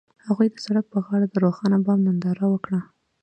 هغوی د سړک پر غاړه د روښانه بام ننداره وکړه.